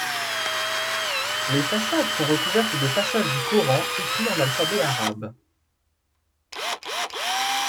Les façades sont recouvertes de passages du Coran écrit en alphabet arabe.